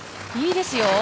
いいですよ。